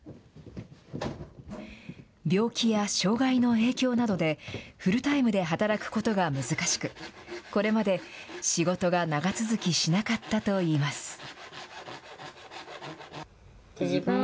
病気や障害の影響などで、フルタイムで働くことが難しく、これまで仕事が長続きしなかったといいます。